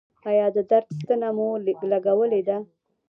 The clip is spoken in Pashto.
ایا د درد ستنه مو لګولې ده؟